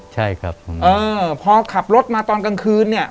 ใช่ครับเออพอขับรถมาตอนกลางคืนเนี่ย